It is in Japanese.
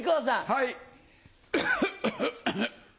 はい！